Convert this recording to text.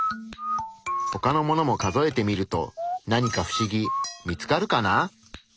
ほかのものも数えてみると何かフシギ見つかるかな？